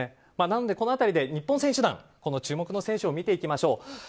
この辺りで日本選手団の注目選手を見ていきましょう。